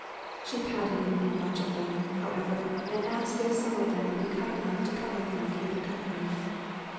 She patted and made much of them, however, and asked if some of them would be kind enough to come with her and keep her company.